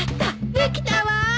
できたわー！